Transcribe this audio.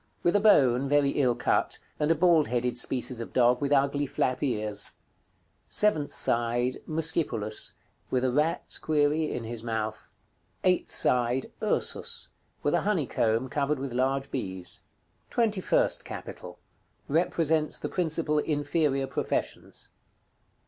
With a bone, very ill cut; and a bald headed species of dog, with ugly flap ears. Seventh side. "MUSCIPULUS." With a rat (?) in his mouth. Eighth side. "URSUS." With a honeycomb, covered with large bees. § CXX. TWENTY FIRST CAPITAL. Represents the principal inferior professions.